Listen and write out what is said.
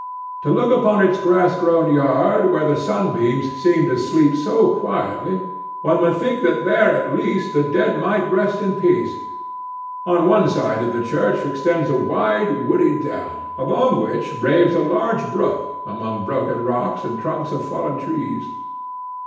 To look upon its grass grown yard, where the sunbeams seem to sleep so quietly, one would think that there at least the dead might rest in peace. On one side of the church extends a wide woody dell, along which raves a large brook among broken rocks and trunks of fallen trees.